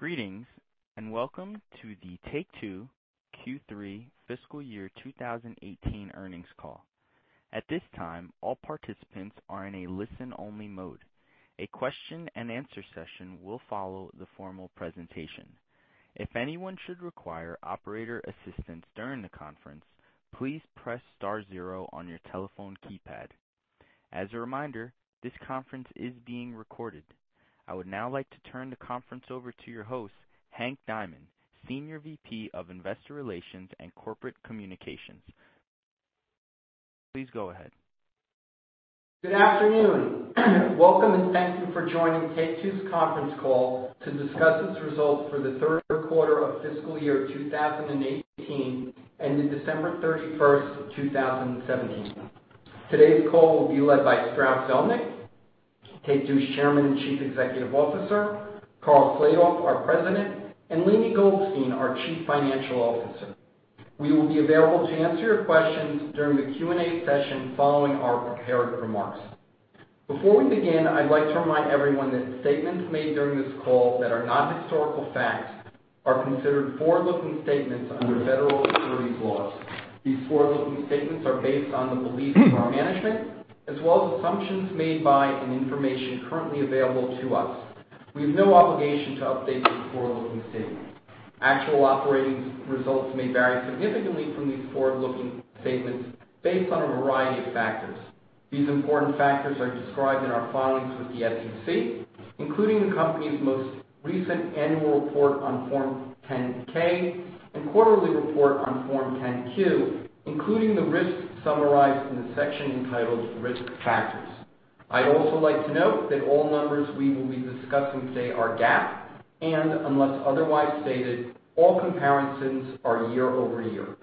Greetings, welcome to the Take-Two Q3 fiscal year 2018 earnings call. At this time, all participants are in a listen-only mode. A question-and-answer session will follow the formal presentation. If anyone should require operator assistance during the conference, please press star zero on your telephone keypad. As a reminder, this conference is being recorded. I would now like to turn the conference over to your host, Hank Diamond, Senior Vice President of Investor Relations and Corporate Communications. Please go ahead. Good afternoon. Welcome, thank you for joining Take-Two's conference call to discuss its results for the third quarter of fiscal year 2018, ending December 31st, 2017. Today's call will be led by Strauss Zelnick, Take-Two's Chairman and Chief Executive Officer, Karl Slatoff, our President, and Lainie Goldstein, our Chief Financial Officer. We will be available to answer your questions during the Q&A session following our prepared remarks. Before we begin, I'd like to remind everyone that statements made during this call that are not historical facts are considered forward-looking statements under federal securities laws. These forward-looking statements are based on the belief of our management, as well as assumptions made by and information currently available to us. We have no obligation to update these forward-looking statements. Actual operating results may vary significantly from these forward-looking statements based on a variety of factors. These important factors are described in our filings with the SEC, including the company's most recent annual report on Form 10-K and quarterly report on Form 10-Q, including the risks summarized in the section entitled Risk Factors. I'd also like to note that all numbers we will be discussing today are GAAP, and unless otherwise stated, all comparisons are year-over-year.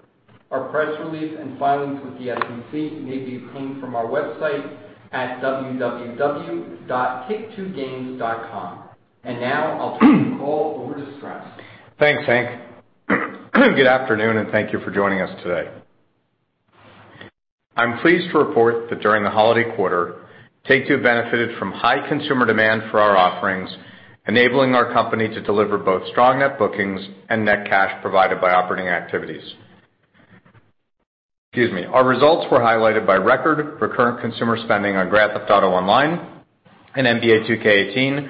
Our press release and filings with the SEC may be obtained from our website at www.taketwogames.com. Now I'll turn the call over to Strauss. Thanks, Hank. Good afternoon, thank you for joining us today. I'm pleased to report that during the holiday quarter, Take-Two benefited from high consumer demand for our offerings, enabling our company to deliver both strong net bookings and net cash provided by operating activities. Excuse me. Our results were highlighted by record recurrent consumer spending on Grand Theft Auto Online and NBA 2K18,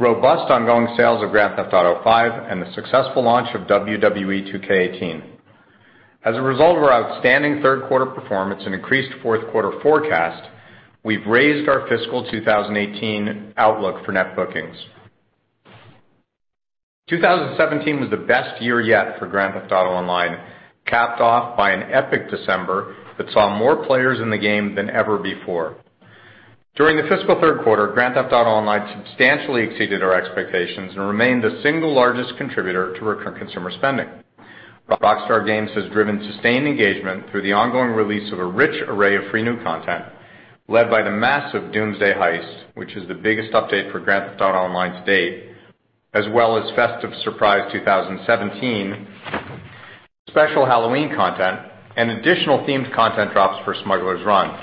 robust ongoing sales of Grand Theft Auto V, and the successful launch of WWE 2K18. As a result of our outstanding third quarter performance and increased fourth quarter forecast, we've raised our fiscal 2018 outlook for net bookings. 2017 was the best year yet for Grand Theft Auto Online, capped off by an epic December that saw more players in the game than ever before. During the fiscal third quarter, Grand Theft Auto Online substantially exceeded our expectations and remained the single largest contributor to recurrent consumer spending. Rockstar Games has driven sustained engagement through the ongoing release of a rich array of free new content led by the massive Doomsday Heist, which is the biggest update for Grand Theft Auto Online to date, as well as Festive Surprise 2017, special Halloween content, and additional themed content drops for Smuggler's Run.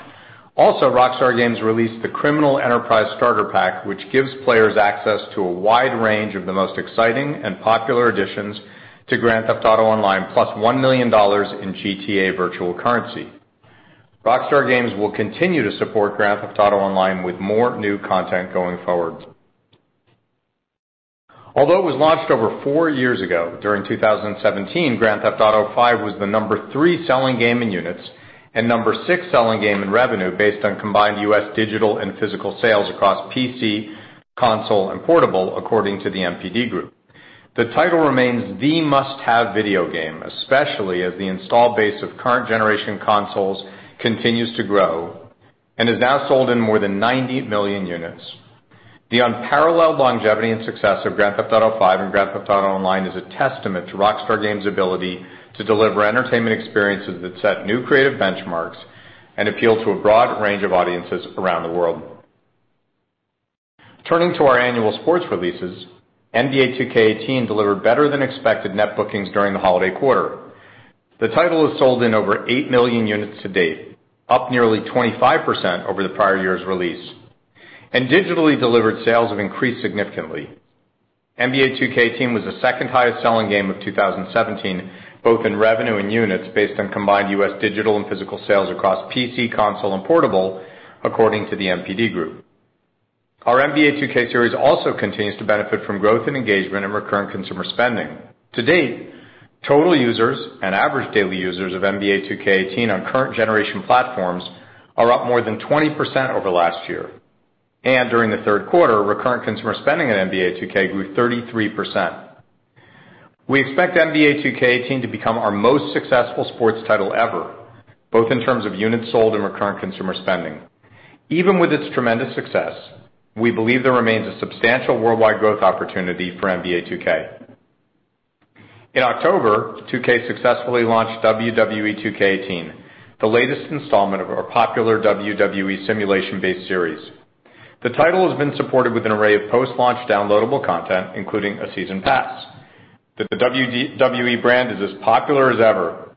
Also, Rockstar Games released the Criminal Enterprise Starter Pack, which gives players access to a wide range of the most exciting and popular additions to Grand Theft Auto Online, plus $1 million in GTA virtual currency. Rockstar Games will continue to support Grand Theft Auto Online with more new content going forward. Although it was launched over four years ago, during 2017, Grand Theft Auto V was the number 3 selling game in units and number 6 selling game in revenue based on combined U.S. digital and physical sales across PC, console, and portable, according to the NPD Group. The title remains the must-have video game, especially as the install base of current generation consoles continues to grow and is now sold in more than 90 million units. The unparalleled longevity and success of Grand Theft Auto V and Grand Theft Auto Online is a testament to Rockstar Games' ability to deliver entertainment experiences that set new creative benchmarks and appeal to a broad range of audiences around the world. Turning to our annual sports releases, NBA 2K18 delivered better than expected net bookings during the holiday quarter. The title has sold in over 8 million units to date, up nearly 25% over the prior year's release, and digitally delivered sales have increased significantly. NBA 2K18 was the second highest selling game of 2017, both in revenue and units, based on combined U.S. digital and physical sales across PC, console, and portable, according to the NPD Group. Our NBA 2K series also continues to benefit from growth in engagement and recurrent consumer spending. To date, total users and average daily users of NBA 2K18 on current generation platforms are up more than 20% over last year. During the third quarter, recurrent consumer spending at NBA 2K grew 33%. We expect NBA 2K18 to become our most successful sports title ever, both in terms of units sold and recurrent consumer spending. Even with its tremendous success, we believe there remains a substantial worldwide growth opportunity for NBA 2K. In October, 2K successfully launched WWE 2K18, the latest installment of our popular WWE simulation-based series. The title has been supported with an array of post-launch downloadable content, including a season pass, that the WWE brand is as popular as ever.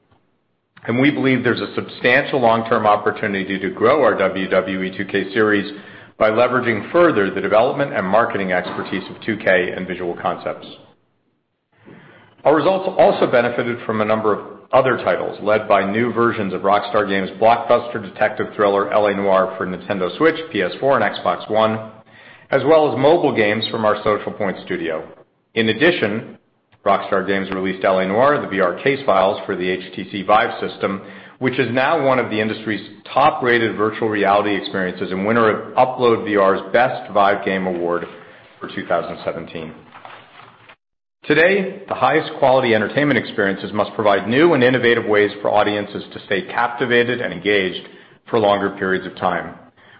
We believe there's a substantial long-term opportunity to grow our WWE 2K series by leveraging further the development and marketing expertise of 2K and Visual Concepts. Our results also benefited from a number of other titles led by new versions of Rockstar Games' blockbuster detective thriller, L.A. Noire for Nintendo Switch, PS4, and Xbox One, as well as mobile games from our Social Point studio. In addition, Rockstar Games released L.A. Noire: The VR Case Files for the HTC VIVE system, which is now one of the industry's top-rated virtual reality experiences and winner of UploadVR's Best VIVE Game Award for 2017. Today, the highest quality entertainment experiences must provide new and innovative ways for audiences to stay captivated and engaged for longer periods of time.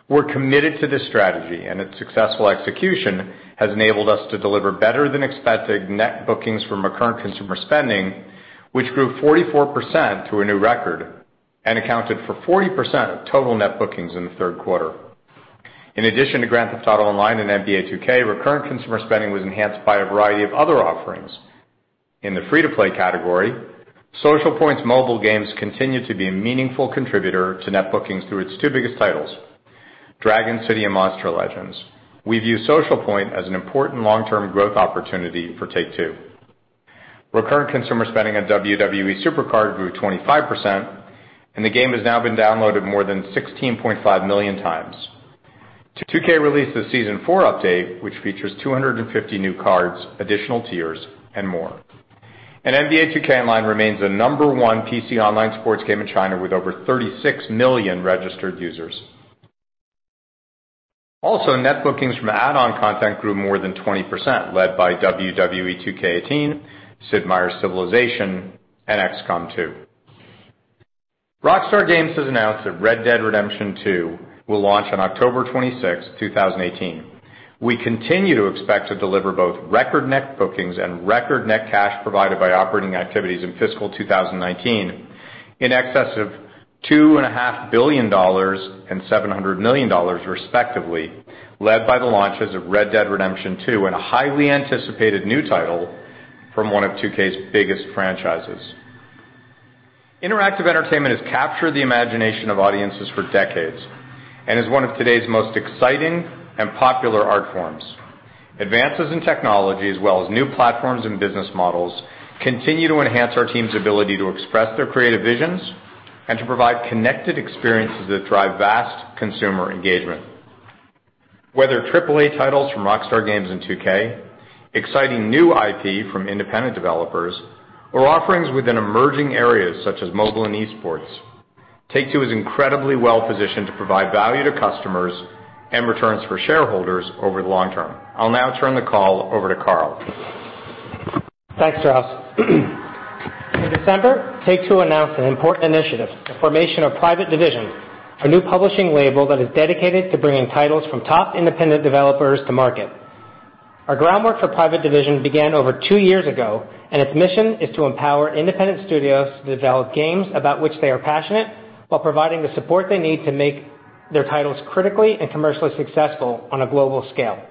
We're committed to this strategy, and its successful execution has enabled us to deliver better than expected net bookings from our recurrent consumer spending, which grew 44% to a new record and accounted for 40% of total net bookings in the third quarter. In addition to Grand Theft Auto Online and NBA 2K, recurrent consumer spending was enhanced by a variety of other offerings. In the free-to-play category, Social Point's mobile games continue to be a meaningful contributor to net bookings through its two biggest titles, Dragon City and Monster Legends. We view Social Point as an important long-term growth opportunity for Take-Two. Recurrent consumer spending on WWE SuperCard grew 25%, and the game has now been downloaded more than 16.5 million times. 2K released the Season 4 update, which features 250 new cards, additional tiers, and more. NBA 2K Online remains the number 1 PC online sports game in China with over 36 million registered users. Net bookings from add-on content grew more than 20%, led by WWE 2K18, Sid Meier's Civilization, and XCOM 2. Rockstar Games has announced that Red Dead Redemption 2 will launch on October 26, 2018. We continue to expect to deliver both record net bookings and record net cash provided by operating activities in fiscal 2019 in excess of $2.5 billion and $700 million respectively, led by the launches of Red Dead Redemption 2 and a highly anticipated new title from one of 2K's biggest franchises. Interactive entertainment has captured the imagination of audiences for decades and is one of today's most exciting and popular art forms. Advances in technology as well as new platforms and business models continue to enhance our team's ability to express their creative visions and to provide connected experiences that drive vast consumer engagement. Whether AAA titles from Rockstar Games and 2K, exciting new IP from independent developers, or offerings within emerging areas such as mobile and esports, Take-Two is incredibly well-positioned to provide value to customers and returns for shareholders over the long term. I'll now turn the call over to Karl. Thanks, Strauss. In December, Take-Two announced an important initiative, the formation of Private Division, a new publishing label that is dedicated to bringing titles from top independent developers to market. Our groundwork for Private Division began over two years ago, and its mission is to empower independent studios to develop games about which they are passionate while providing the support they need to make their titles critically and commercially successful on a global scale.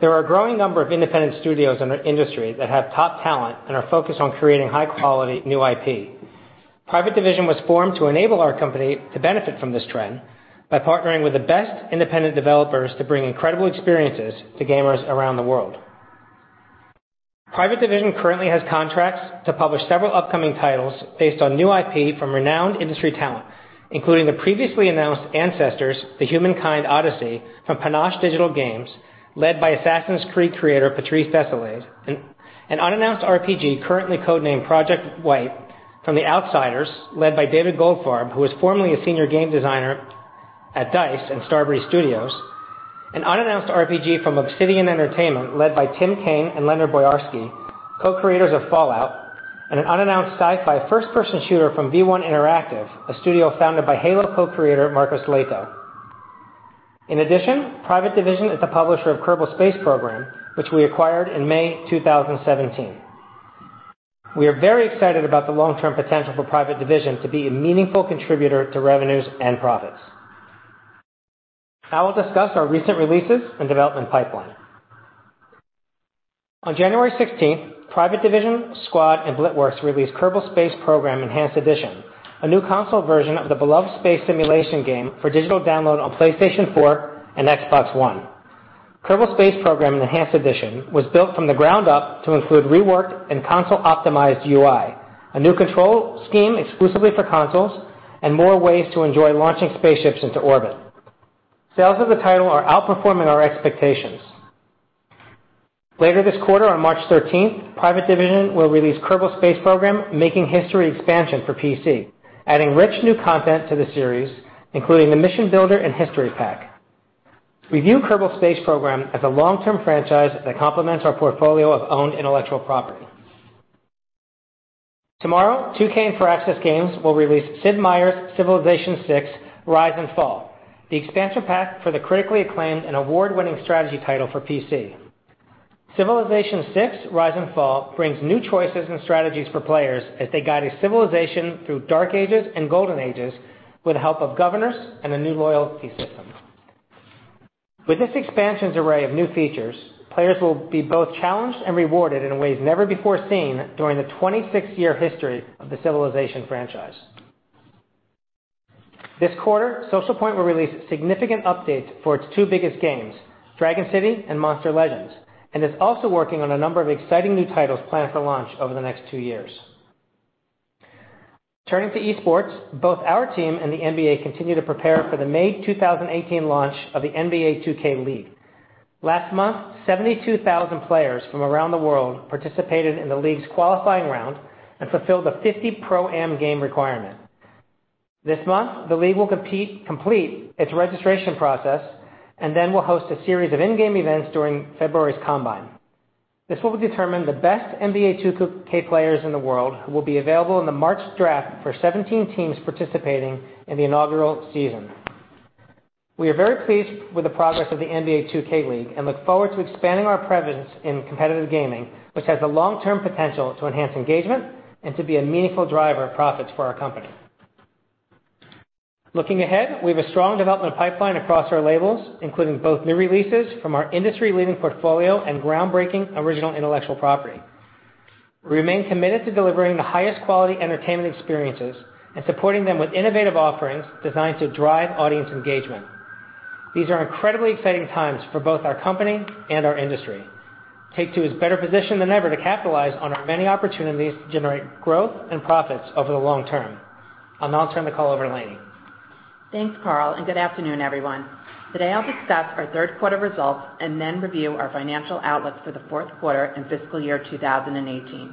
There are a growing number of independent studios in our industry that have top talent and are focused on creating high-quality new IP. Private Division was formed to enable our company to benefit from this trend by partnering with the best independent developers to bring incredible experiences to gamers around the world. Private Division currently has contracts to publish several upcoming titles based on new IP from renowned industry talent, including the previously announced "Ancestors: The Humankind Odyssey" from Panache Digital Games, led by "Assassin's Creed" creator Patrice Désilets, an unannounced RPG currently codenamed Project Wight from The Outsiders, led by David Goldfarb, who was formerly a senior game designer at DICE and Starbreeze Studios, an unannounced RPG from Obsidian Entertainment led by Tim Cain and Leonard Boyarsky, co-creators of "Fallout," and an unannounced sci-fi first-person shooter from V1 Interactive, a studio founded by "Halo" co-creator Marcus Lehto. In addition, Private Division is the publisher of "Kerbal Space Program," which we acquired in May 2017. We are very excited about the long-term potential for Private Division to be a meaningful contributor to revenues and profits. Now I'll discuss our recent releases and development pipeline. On January 16th, Private Division, Squad, and BlitWorks released "Kerbal Space Program Enhanced Edition," a new console version of the beloved space simulation game for digital download on PlayStation 4 and Xbox One. "Kerbal Space Program Enhanced Edition" was built from the ground up to include reworked and console-optimized UI, a new control scheme exclusively for consoles, and more ways to enjoy launching spaceships into orbit. Sales of the title are outperforming our expectations. Later this quarter, on March 13th, Private Division will release "Kerbal Space Program: Making History Expansion" for PC, adding rich new content to the series, including the Mission Builder and History Pack. We view "Kerbal Space Program" as a long-term franchise that complements our portfolio of owned intellectual property. Tomorrow, 2K and Firaxis Games will release "Sid Meier's Civilization VI: Rise and Fall," the expansion pack for the critically acclaimed and award-winning strategy title for PC. Civilization VI: Rise and Fall" brings new choices and strategies for players as they guide a civilization through dark ages and golden ages with the help of governors and a new loyalty system. With this expansion's array of new features, players will be both challenged and rewarded in ways never before seen during the 26-year history of the Civilization franchise. This quarter, Social Point will release significant updates for its two biggest games, Dragon City and Monster Legends, and is also working on a number of exciting new titles planned for launch over the next two years. Turning to esports, both our team and the NBA continue to prepare for the May 2018 launch of the NBA 2K League. Last month, 72,000 players from around the world participated in the league's qualifying round and fulfilled a 50 pro-am game requirement. This month, the league will complete its registration process and then will host a series of in-game events during February's combine. This will determine the best NBA 2K players in the world who will be available in the March draft for 17 teams participating in the inaugural season. We are very pleased with the progress of the NBA 2K League and look forward to expanding our presence in competitive gaming, which has the long-term potential to enhance engagement and to be a meaningful driver of profits for our company. Looking ahead, we have a strong development pipeline across our labels, including both new releases from our industry-leading portfolio and groundbreaking original intellectual property. We remain committed to delivering the highest quality entertainment experiences and supporting them with innovative offerings designed to drive audience engagement. These are incredibly exciting times for both our company and our industry. Take-Two is better positioned than ever to capitalize on our many opportunities to generate growth and profits over the long term. I'll now turn the call over to Lainie. Thanks, Karl, good afternoon, everyone. Today, I'll discuss our third quarter results review our financial outlook for the fourth quarter and fiscal year 2018.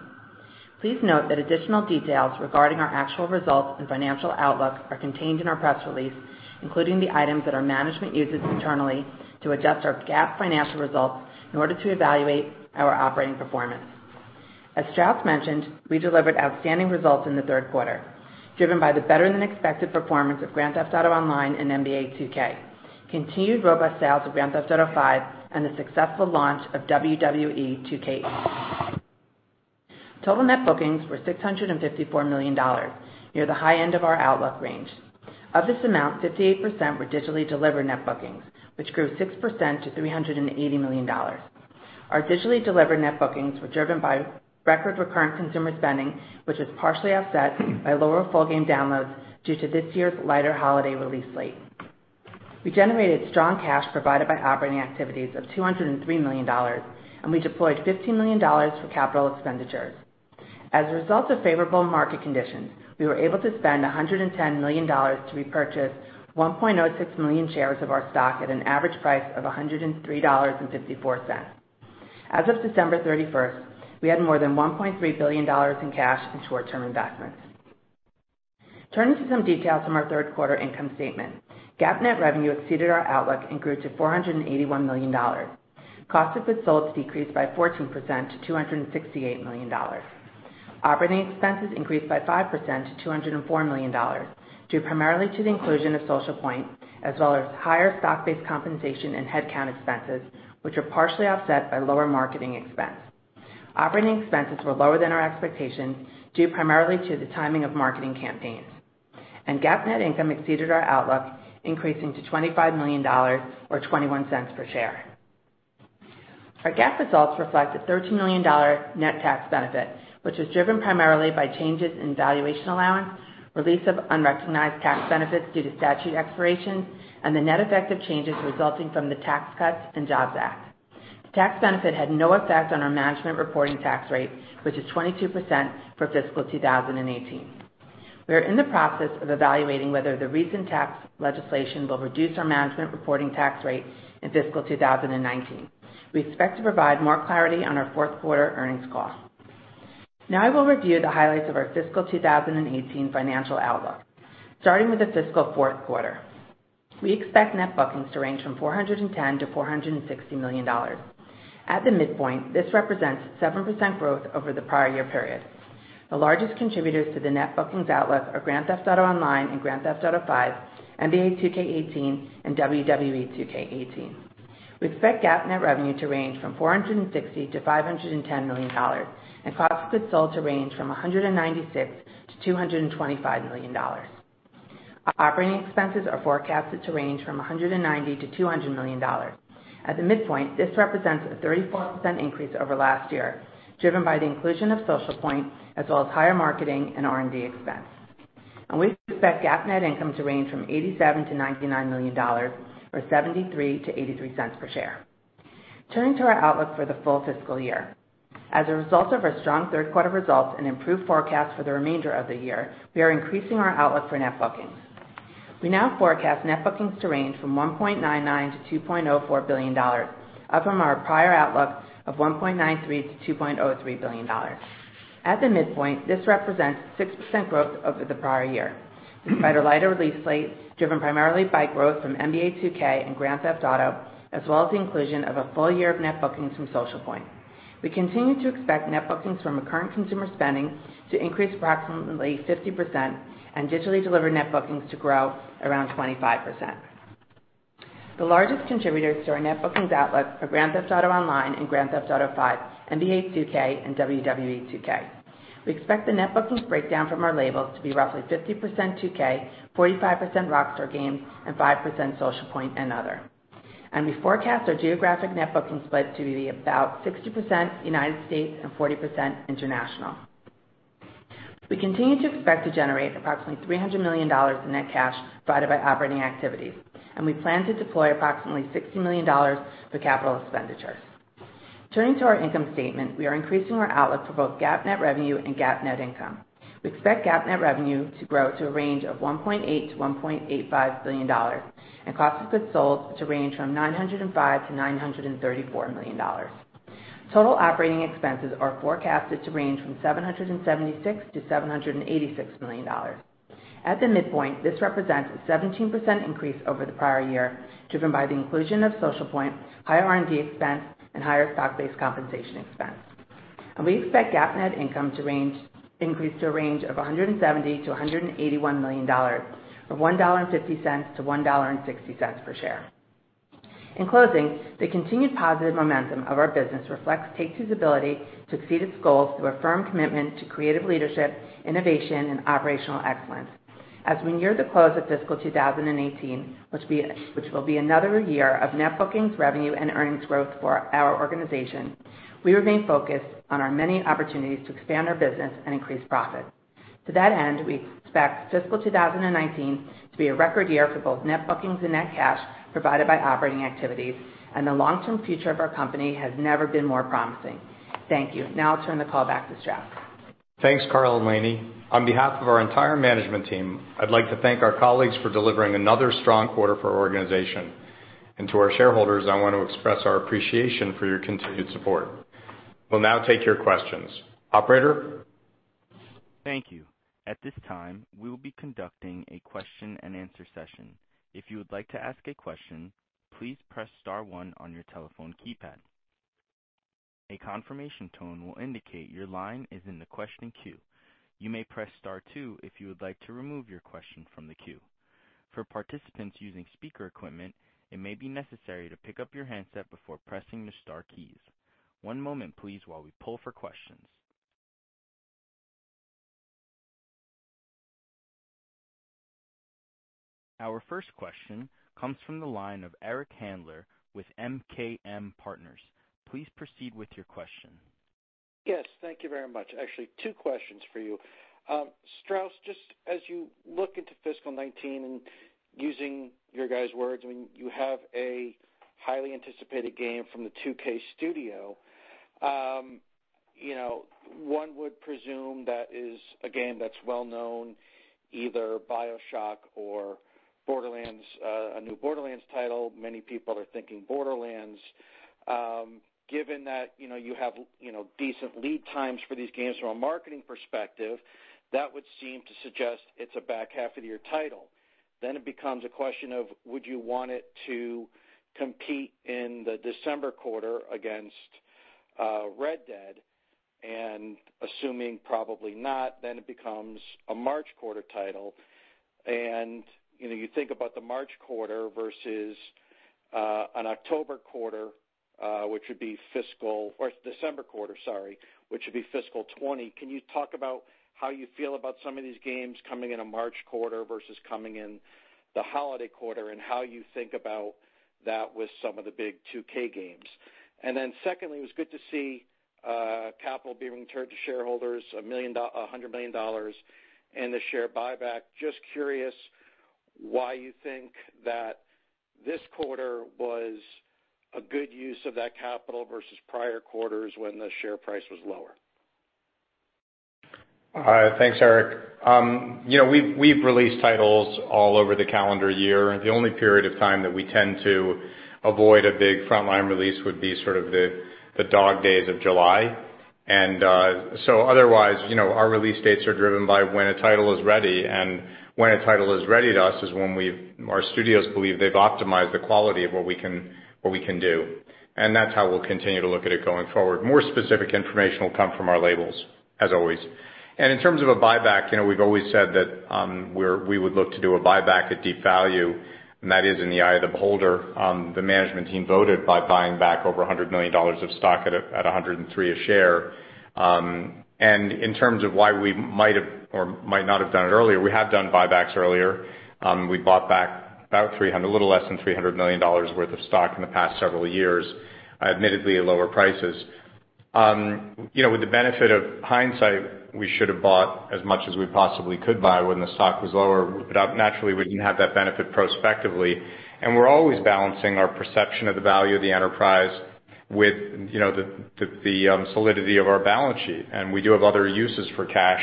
Please note that additional details regarding our actual results and financial outlook are contained in our press release, including the items that our management uses internally to adjust our GAAP financial results in order to evaluate our operating performance. As Strauss mentioned, we delivered outstanding results in the third quarter, driven by the better-than-expected performance of Grand Theft Auto Online and NBA 2K, continued robust sales of Grand Theft Auto V, and the successful launch of WWE 2K18. Total net bookings were $654 million, near the high end of our outlook range. Of this amount, 58% were digitally delivered net bookings, which grew 6% to $380 million. Our digitally delivered net bookings were driven by record recurrent consumer spending, which was partially offset by lower full game downloads due to this year's lighter holiday release slate. We generated strong cash provided by operating activities of $203 million, we deployed $15 million for capital expenditures. As a result of favorable market conditions, we were able to spend $110 million to repurchase 1.06 million shares of our stock at an average price of $103.54. As of December 31st, we had more than $1.3 billion in cash and short-term investments. Turning to some details from our third quarter income statement. GAAP net revenue exceeded our outlook and grew to $481 million. Cost of goods sold decreased by 14% to $268 million. Operating expenses increased by 5% to $204 million, due primarily to the inclusion of Social Point, as well as higher stock-based compensation and headcount expenses, which were partially offset by lower marketing expense. Operating expenses were lower than our expectations, due primarily to the timing of marketing campaigns, GAAP net income exceeded our outlook, increasing to $25 million, or $0.21 per share. Our GAAP results reflect a $13 million net tax benefit, which was driven primarily by changes in valuation allowance, release of unrecognized tax benefits due to statute expirations, and the net effect of changes resulting from the Tax Cuts and Jobs Act. The tax benefit had no effect on our management reporting tax rate, which is 22% for fiscal 2018. We are in the process of evaluating whether the recent tax legislation will reduce our management reporting tax rate in fiscal 2019. We expect to provide more clarity on our fourth quarter earnings call. I will review the highlights of our fiscal 2018 financial outlook, starting with the fiscal fourth quarter. We expect net bookings to range from $410 million-$460 million. At the midpoint, this represents 7% growth over the prior year period. The largest contributors to the net bookings outlook are Grand Theft Auto Online and Grand Theft Auto V, NBA 2K18, and WWE 2K18. We expect GAAP net revenue to range from $460 million-$510 million and cost of goods sold to range from $196 million-$225 million. Operating expenses are forecasted to range from $190 million-$200 million. At the midpoint, this represents a 34% increase over last year, driven by the inclusion of Social Point, as well as higher marketing and R&D expense. We expect GAAP net income to range from $87 million-$99 million, or $0.73-$0.83 per share. Turning to our outlook for the full fiscal year. As a result of our strong third quarter results and improved forecast for the remainder of the year, we are increasing our outlook for net bookings. We now forecast net bookings to range from $1.99 billion-$2.04 billion, up from our prior outlook of $1.93 billion-$2.03 billion. At the midpoint, this represents 6% growth over the prior year, despite a lighter release slate driven primarily by growth from NBA 2K and Grand Theft Auto, as well as the inclusion of a full year of net bookings from Social Point. We continue to expect net bookings from recurrent consumer spending to increase approximately 50% and digitally delivered net bookings to grow around 25%. The largest contributors to our net bookings outlook are Grand Theft Auto Online and Grand Theft Auto V, NBA 2K, and WWE 2K. We expect the net bookings breakdown from our labels to be roughly 50% 2K, 45% Rockstar Games, and 5% Social Point and other. We forecast our geographic net booking split to be about 60% U.S. and 40% international. We continue to expect to generate approximately $300 million in net cash provided by operating activities, and we plan to deploy approximately $60 million for capital expenditures. Turning to our income statement, we are increasing our outlook for both GAAP net revenue and GAAP net income. We expect GAAP net revenue to grow to a range of $1.8 billion-$1.85 billion and cost of goods sold to range from $905 million-$934 million. Total operating expenses are forecasted to range from $776 million-$786 million. At the midpoint, this represents a 17% increase over the prior year, driven by the inclusion of Social Point, higher R&D expense, and higher stock-based compensation expense. We expect GAAP net income to increase to a range of $170 million-$181 million, or $1.50-$1.60 per share. In closing, the continued positive momentum of our business reflects Take-Two's ability to exceed its goals through a firm commitment to creative leadership, innovation, and operational excellence. As we near the close of fiscal 2018, which will be another year of net bookings, revenue and earnings growth for our organization, we remain focused on our many opportunities to expand our business and increase profit. To that end, we expect fiscal 2019 to be a record year for both net bookings and net cash provided by operating activities, and the long-term future of our company has never been more promising. Thank you. I'll turn the call back to Strauss. Thanks, Karl and Lainie. On behalf of our entire management team, I'd like to thank our colleagues for delivering another strong quarter for our organization. To our shareholders, I want to express our appreciation for your continued support. We'll now take your questions. Operator? Thank you. At this time, we will be conducting a question and answer session. If you would like to ask a question, please press star 1 on your telephone keypad. A confirmation tone will indicate your line is in the question queue. You may press star 2 if you would like to remove your question from the queue. For participants using speaker equipment, it may be necessary to pick up your handset before pressing the star keys. One moment, please, while we pull for questions. Our first question comes from the line of Eric Handler with MKM Partners. Please proceed with your question. Yes, thank you very much. Actually, two questions for you. Strauss, just as you look into fiscal 2019 and using your guys' words when you have a highly anticipated game from the 2K. One would presume that is a game that's well-known, either BioShock or a new Borderlands title. Many people are thinking Borderlands. Given that you have decent lead times for these games from a marketing perspective, that would seem to suggest it's a back half of the year title. Then it becomes a question of would you want it to compete in the December quarter against Red Dead? Assuming probably not, then it becomes a March quarter title. You think about the March quarter versus an October quarter, which would be December quarter, sorry, which would be fiscal 2020. Can you talk about how you feel about some of these games coming in a March quarter versus coming in the holiday quarter, and how you think about that with some of the big 2K games? Secondly, it was good to see capital being returned to shareholders, $100 million in the share buyback. Just curious why you think that this quarter was a good use of that capital versus prior quarters when the share price was lower. Thanks, Eric. We've released titles all over the calendar year, and the only period of time that we tend to avoid a big frontline release would be sort of the dog days of July. Otherwise, our release dates are driven by when a title is ready, and when a title is ready to us is when our studios believe they've optimized the quality of what we can do. That's how we'll continue to look at it going forward. More specific information will come from our labels, as always. In terms of a buyback, we've always said that we would look to do a buyback at deep value, and that is in the eye of the beholder. The management team voted by buying back over $100 million of stock at $103 a share. In terms of why we might have or might not have done it earlier, we have done buybacks earlier. We bought back a little less than $300 million worth of stock in the past several years, admittedly at lower prices. With the benefit of hindsight, we should have bought as much as we possibly could buy when the stock was lower. Naturally, we didn't have that benefit prospectively. We're always balancing our perception of the value of the enterprise with the solidity of our balance sheet. We do have other uses for cash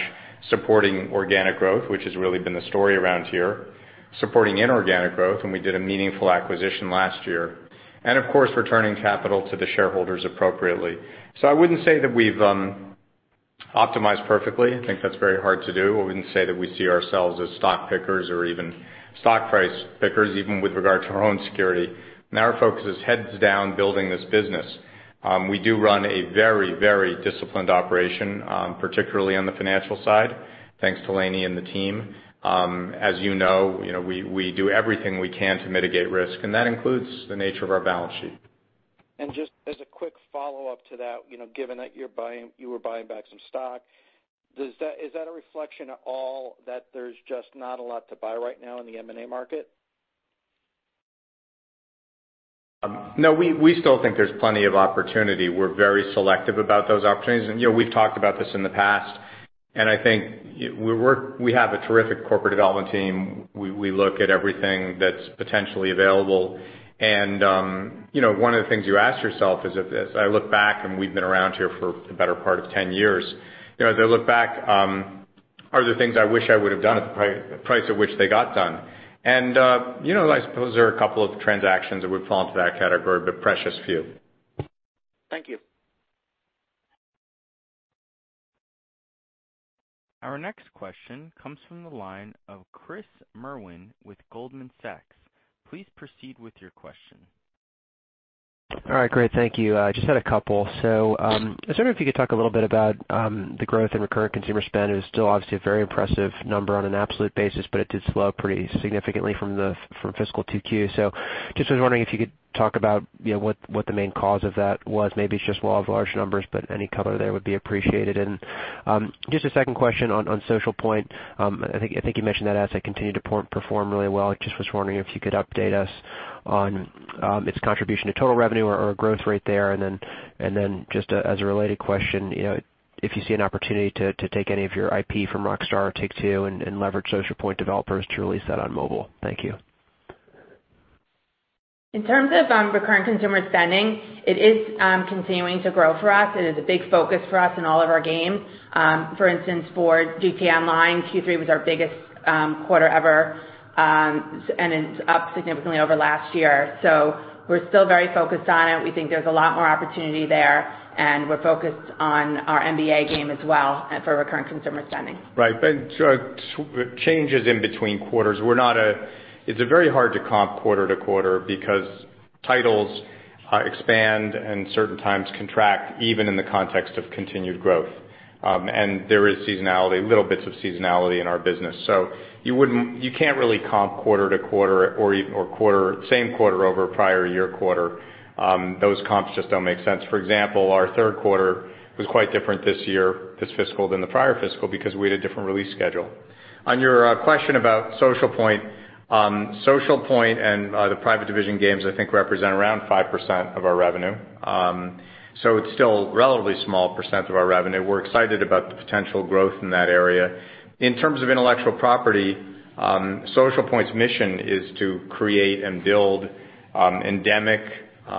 supporting organic growth, which has really been the story around here, supporting inorganic growth, and we did a meaningful acquisition last year. Of course, returning capital to the shareholders appropriately. I wouldn't say that we've optimized perfectly. I think that's very hard to do. I wouldn't say that we see ourselves as stock pickers or even stock price pickers, even with regard to our own security. Now our focus is heads down building this business. We do run a very disciplined operation, particularly on the financial side. Thanks to Lainie and the team. As you know, we do everything we can to mitigate risk, and that includes the nature of our balance sheet. Just as a quick follow-up to that, given that you were buying back some stock, is that a reflection at all that there's just not a lot to buy right now in the M&A market? We still think there's plenty of opportunity. We're very selective about those opportunities, we've talked about this in the past, I think we have a terrific corporate development team. We look at everything that's potentially available. One of the things you ask yourself is, if I look back and we've been around here for the better part of 10 years, as I look back, are there things I wish I would have done at the price at which they got done? I suppose there are a couple of transactions that would fall into that category, but precious few. Thank you. Our next question comes from the line of Chris Merwin with Goldman Sachs. Please proceed with your question. All right, great. Thank you. I just had a couple. I was wondering if you could talk a little bit about the growth in recurrent consumer spending. It was still obviously a very impressive number on an absolute basis, but it did slow pretty significantly from fiscal 2Q. Just was wondering if you could talk about what the main cause of that was. Maybe it's just law of large numbers, but any color there would be appreciated. Just a second question on Social Point. I think you mentioned that as they continue to perform really well, I just was wondering if you could update us on its contribution to total revenue or growth rate there. Just as a related question, if you see an opportunity to take any of your IP from Rockstar or Take-Two and leverage Social Point developers to release that on mobile. Thank you. In terms of recurrent consumer spending, it is continuing to grow for us. It is a big focus for us in all of our games. For instance, for GTA Online, Q3 was our biggest quarter ever. It's up significantly over last year. We're still very focused on it. We think there's a lot more opportunity there, and we're focused on our NBA game as well for recurrent consumer spending. Right. Changes in between quarters, it's very hard to comp quarter to quarter because titles expand and certain times contract even in the context of continued growth. There is seasonality, little bits of seasonality in our business. You can't really comp quarter to quarter or same quarter over prior year quarter. Those comps just don't make sense. For example, our third quarter was quite different this year, this fiscal than the prior fiscal because we had a different release schedule. On your question about Social Point. Social Point and the Private Division games I think represent around 5% of our revenue. It's still a relatively small percent of our revenue. We're excited about the potential growth in that area. In terms of intellectual property, Social Point's mission is to create and build endemic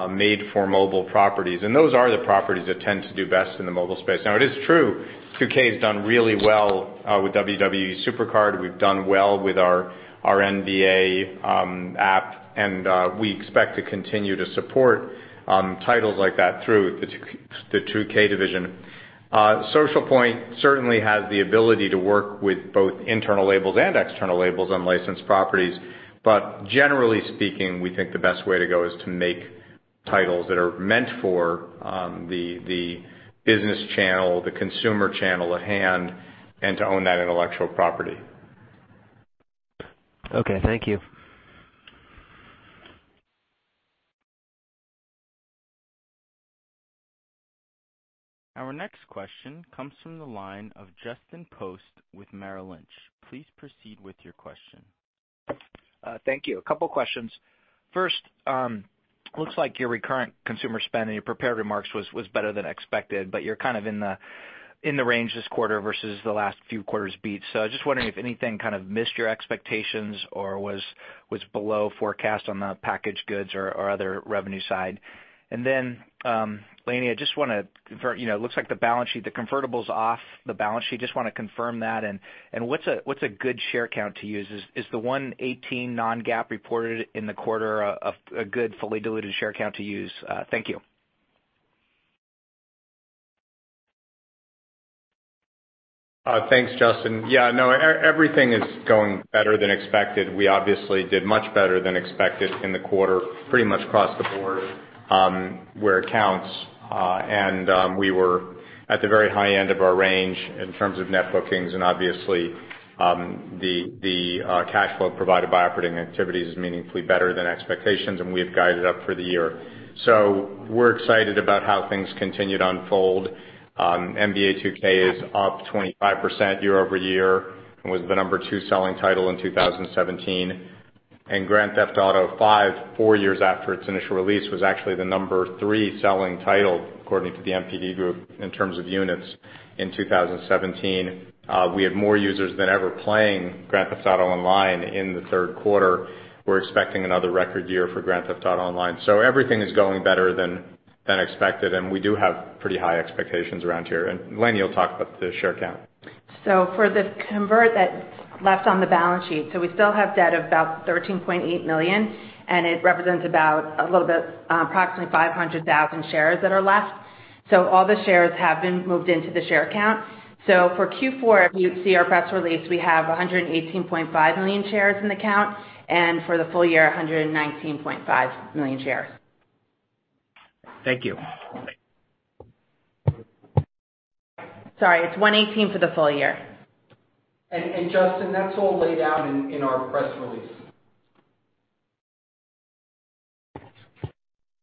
made-for-mobile properties, and those are the properties that tend to do best in the mobile space. It is true, 2K has done really well with WWE SuperCard. We've done well with our NBA app, and we expect to continue to support titles like that through the 2K division. Social Point certainly has the ability to work with both internal labels and external labels on licensed properties, generally speaking, we think the best way to go is to make titles that are meant for the business channel, the consumer channel at hand, and to own that intellectual property. Okay, thank you. Our next question comes from the line of Justin Post with Merrill Lynch. Please proceed with your question. Thank you. A couple questions. First, looks like your recurrent consumer spending in your prepared remarks was better than expected, you're kind of in the range this quarter versus the last few quarters beat. I was just wondering if anything kind of missed your expectations or was below forecast on the packaged goods or other revenue side. Then, Lainie, it looks like the balance sheet, the convertible's off the balance sheet. Just want to confirm that, and what's a good share count to use? Is the 118 non-GAAP reported in the quarter a good fully diluted share count to use? Thank you. Thanks, Justin. Everything is going better than expected. We obviously did much better than expected in the quarter, pretty much across the board where it counts. We were at the very high end of our range in terms of net bookings and obviously the cash flow provided by operating activities is meaningfully better than expectations, and we have guided up for the year. We're excited about how things continued to unfold. NBA 2K is up 25% year-over-year and was the number two selling title in 2017. Grand Theft Auto V, four years after its initial release, was actually the number three selling title according to the NPD Group in terms of units in 2017. We had more users than ever playing Grand Theft Auto Online in the third quarter. We're expecting another record year for Grand Theft Auto Online. Everything is going better than expected, and we do have pretty high expectations around here. Lainie will talk about the share count. For the convert that's left on the balance sheet. We still have debt of about $13.8 million, and it represents about approximately 500,000 shares that are left. All the shares have been moved into the share count. For Q4, if you see our press release, we have 118.5 million shares in the count, and for the full year, 119.5 million shares. Thank you. Sorry, it's 118 for the full year. Justin, that's all laid out in our press release.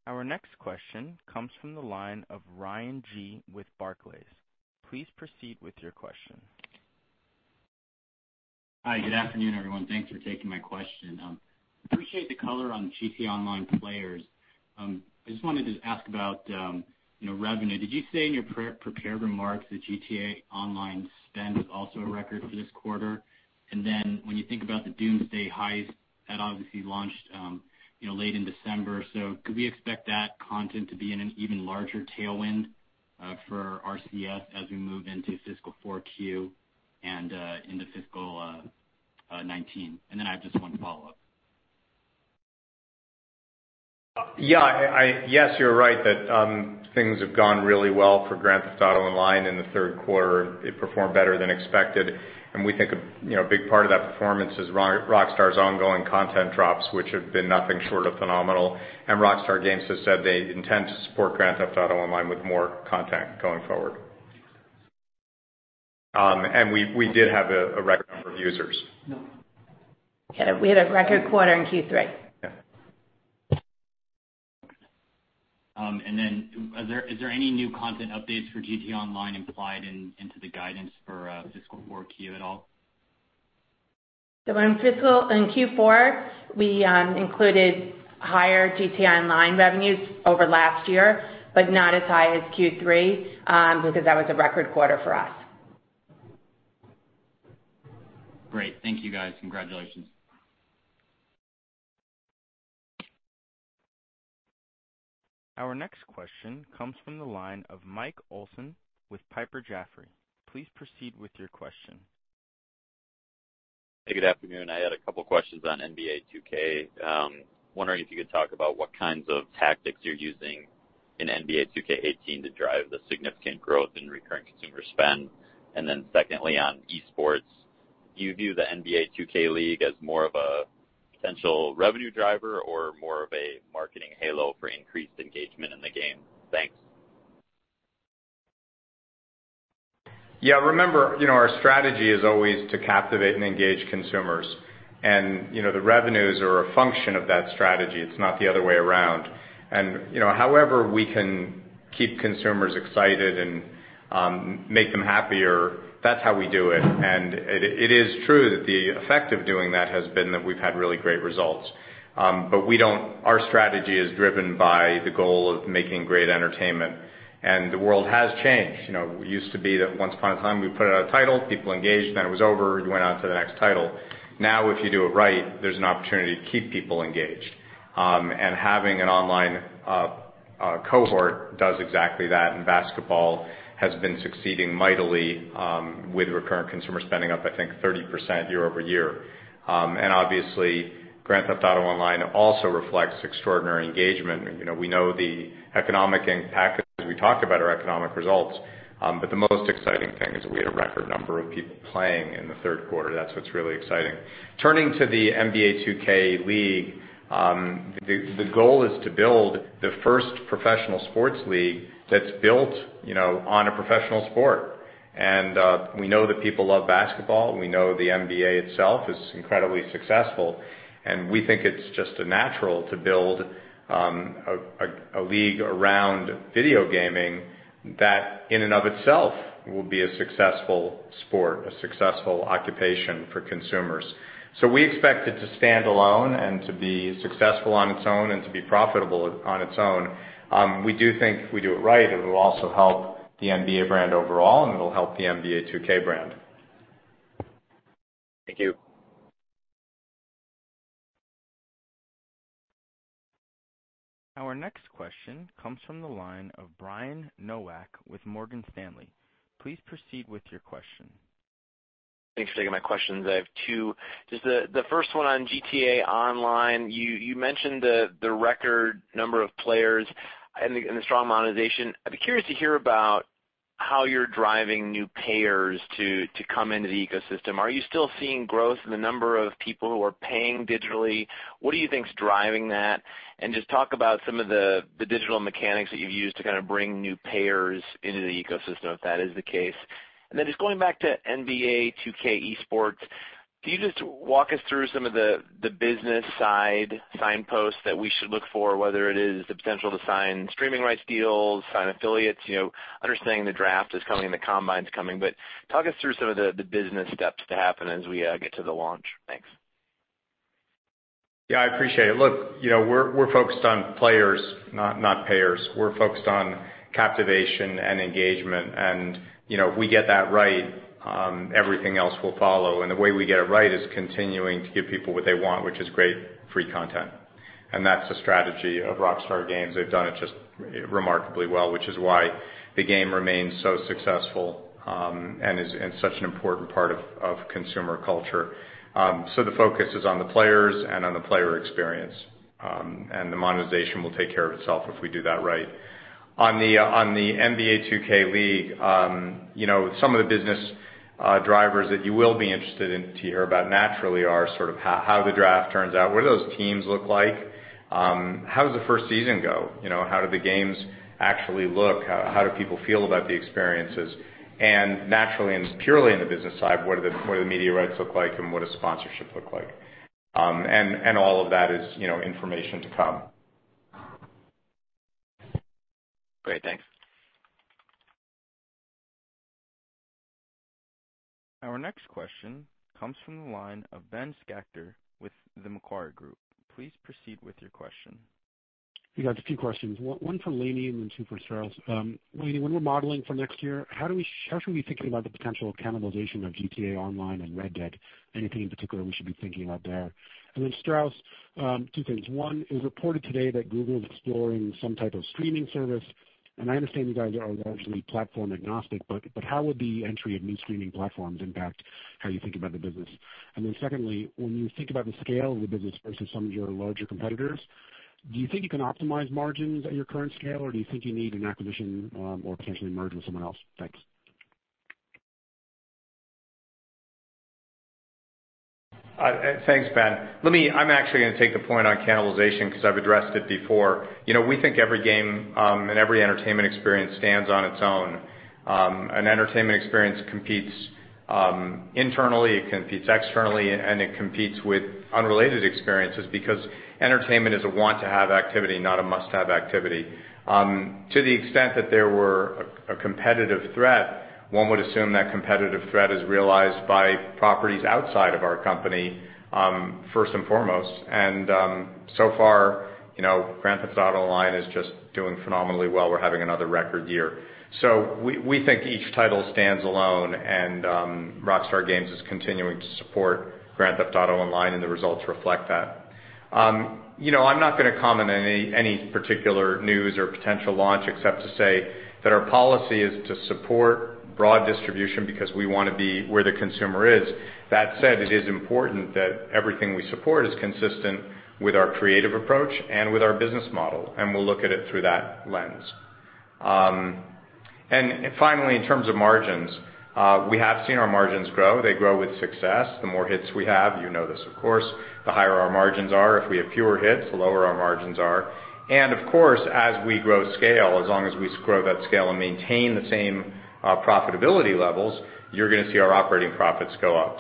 Our next question comes from the line of Ryan Yi with Barclays. Please proceed with your question. Hi, good afternoon, everyone. Thanks for taking my question. Appreciate the color on GTA Online players. I just wanted to ask about revenue. Did you say in your prepared remarks that GTA Online spend was also a record for this quarter? When you think about The Doomsday Heist, that obviously launched late in December. Could we expect that content to be in an even larger tailwind for RCS as we move into fiscal 4Q and in fiscal 2019? I have just one follow-up. Yes, you're right that things have gone really well for Grand Theft Auto Online in the third quarter. It performed better than expected, and we think a big part of that performance is Rockstar's ongoing content drops, which have been nothing short of phenomenal. Rockstar Games has said they intend to support Grand Theft Auto Online with more content going forward. We did have a record number of users. We had a record quarter in Q3. Is there any new content updates for GTA Online implied into the guidance for fiscal 4Q at all? In Q4, we included higher GTA Online revenues over last year, but not as high as Q3, because that was a record quarter for us. Great. Thank you, guys. Congratulations. Our next question comes from the line of Mike Olson with Piper Jaffray. Please proceed with your question. Hey, good afternoon. I had a couple questions on NBA 2K. Wondering if you could talk about what kinds of tactics you're using in NBA 2K18 to drive the significant growth in recurrent consumer spending. Then secondly, on esports, do you view the NBA 2K League as more of a potential revenue driver or more of a marketing halo for increased engagement in the game? Thanks. Yeah. Remember, our strategy is always to captivate and engage consumers. The revenues are a function of that strategy. It's not the other way around. However we can keep consumers excited and make them happier, that's how we do it. It is true that the effect of doing that has been that we've had really great results. Our strategy is driven by the goal of making great entertainment, the world has changed. It used to be that once upon a time, we put out a title, people engaged, it was over, you went on to the next title. Now, if you do it right, there's an opportunity to keep people engaged. Having an online cohort does exactly that. Basketball has been succeeding mightily with recurrent consumer spending up, I think 30% year-over-year. Obviously, Grand Theft Auto Online also reflects extraordinary engagement. We know the economic impact as we talk about our economic results. The most exciting thing is we had a record number of people playing in the third quarter. That's what's really exciting. Turning to the NBA 2K League, the goal is to build the first professional sports league that's built on a professional sport. We know that people love basketball. We know the NBA itself is incredibly successful, and we think it's just natural to build a league around video gaming that in and of itself will be a successful sport, a successful occupation for consumers. We expect it to stand alone and to be successful on its own and to be profitable on its own. We do think if we do it right, it will also help the NBA brand overall, and it'll help the NBA 2K brand. Thank you. Our next question comes from the line of Brian Nowak with Morgan Stanley. Please proceed with your question. The first one on GTA Online. You mentioned the record number of players and the strong monetization. I'd be curious to hear about how you're driving new payers to come into the ecosystem. Are you still seeing growth in the number of people who are paying digitally? What do you think is driving that? Talk about some of the digital mechanics that you've used to kind of bring new payers into the ecosystem, if that is the case. Going back to NBA 2K esports, can you just walk us through some of the business side signposts that we should look for, whether it is the potential to sign streaming rights deals, sign affiliates, understanding the draft is coming, the combine's coming. Talk us through some of the business steps to happen as we get to the launch. Thanks. Yeah, I appreciate it. Look, we're focused on players, not payers. We're focused on captivation and engagement. If we get that right, everything else will follow. The way we get it right is continuing to give people what they want, which is great free content. That's the strategy of Rockstar Games. They've done it just remarkably well, which is why the game remains so successful and is such an important part of consumer culture. The focus is on the players and on the player experience, and the monetization will take care of itself if we do that right. On the NBA 2K League, some of the business drivers that you will be interested in to hear about naturally are sort of how the draft turns out, what do those teams look like? How does the first season go? How do the games actually look? How do people feel about the experiences? Naturally and purely in the business side, what do the media rights look like, and what does sponsorship look like? All of that is information to come Our next question comes from the line of Ben Schachter with the Macquarie Group. Please proceed with your question. Hey, guys. A few questions. One for Lainie, and then two for Strauss. Lainie, when we're modeling for next year, how should we be thinking about the potential cannibalization of GTA Online and Red Dead? Anything in particular we should be thinking about there? Strauss, two things. One, it was reported today that Google is exploring some type of streaming service. I understand you guys are largely platform agnostic, but how would the entry of new streaming platforms impact how you think about the business? Secondly, when you think about the scale of the business versus some of your larger competitors, do you think you can optimize margins at your current scale, or do you think you need an acquisition or potentially merge with someone else? Thanks. Thanks, Ben. I'm actually going to take the point on cannibalization because I've addressed it before. We think every game and every entertainment experience stands on its own. An entertainment experience competes internally, it competes externally, and it competes with unrelated experiences because entertainment is a want-to-have activity, not a must-have activity. To the extent that there were a competitive threat, one would assume that competitive threat is realized by properties outside of our company first and foremost. So far, Grand Theft Auto Online is just doing phenomenally well. We're having another record year. We think each title stands alone and Rockstar Games is continuing to support Grand Theft Auto Online, and the results reflect that. I'm not going to comment on any particular news or potential launch except to say that our policy is to support broad distribution because we want to be where the consumer is. That said, it is important that everything we support is consistent with our creative approach and with our business model, and we'll look at it through that lens. Finally, in terms of margins, we have seen our margins grow. They grow with success. The more hits we have, you know this of course, the higher our margins are. If we have fewer hits, the lower our margins are. Of course, as we grow scale, as long as we grow that scale and maintain the same profitability levels, you're going to see our operating profits go up.